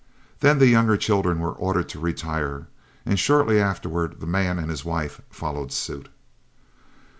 Then the younger children were ordered to retire, and shortly afterward the man and his wife followed suit.